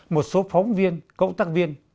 một số phóng viên công tác viên